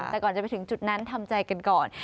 แต่ก่อนจะไปถึงจุดนั้นทำใจกันก่อน